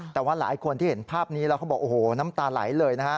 แต่ว่าหลายคนที่เห็นภาพนี้แล้วเขาบอกโอ้โหน้ำตาไหลเลยนะฮะ